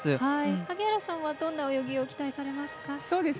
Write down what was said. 萩原さんはどんな泳ぎを期待されますか？